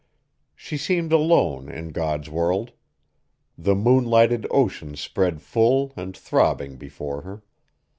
She seemed alone in God's world. The moon lighted ocean spread full and throbbing before her.